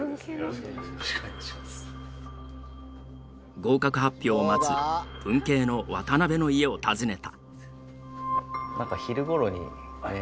合格発表を待つ文系の渡辺の家を訪ねた。